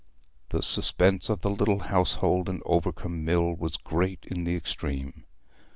The suspense of the little household in Overcombe Mill was great in the extreme.